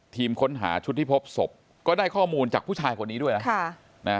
ทีมค้นหาชุดที่พบศพก็ได้ข้อมูลจากผู้ชายคนนี้ด้วยนะ